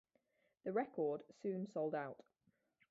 The record soon sold out.